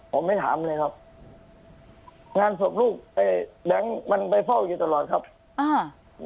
ผมไม่ถามเลยครับงานศพลูกไอ้แบงค์มันไปเฝ้าอยู่ตลอดครับอ่า